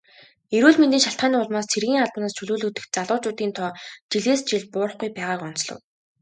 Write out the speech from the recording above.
Эрүүл мэндийн шалтгааны улмаас цэргийн албанаас чөлөөлөгдөх залуучуудын тоо жилээс жилд буурахгүй байгааг онцлов.